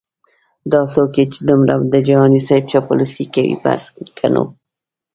دا څوک یې چې دمره د جهانې صیب چاپلوسې کوي بس که نو